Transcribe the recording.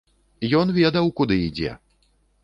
Ён ведаў, куды ідзе!